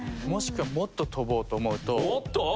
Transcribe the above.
もしくはもっと飛ぼうと思うと。